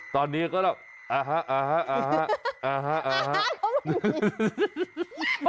ตอนนี้ก็แหละอ่าฮะอ่าฮะอ่าฮะอ่าฮะ